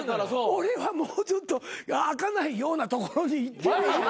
俺はもうちょっと開かないような所にいてる。